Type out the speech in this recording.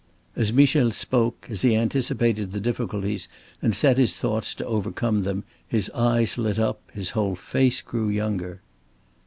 As Michel spoke, as he anticipated the difficulties and set his thoughts to overcome them, his eyes lit up, his whole face grew younger.